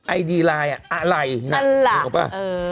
ไอดีลายอ่ะอ่ะไหล่น่ะนึกออกป่ะเออ